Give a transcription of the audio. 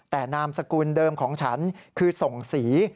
แต่นามสกุลเดิมของฉันคือส่งสี